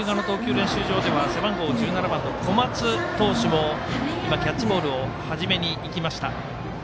練習場では背番号１７番の小松投手も今、キャッチボールを始めにいきました。